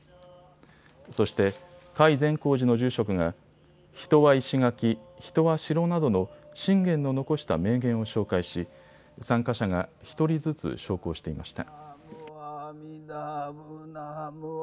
そして、甲斐善光寺の住職が人は石垣、人は城などの信玄の残した名言を紹介し参加者が１人ずつ焼香していました。